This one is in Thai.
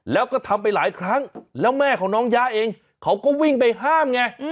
แล้วก็ทำไปหลายครั้งแล้วแม่ของน้องยาเองเขาก็วิ่งไปห้ามไง